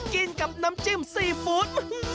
กินกับน้ำจิ้มซีฟู้ด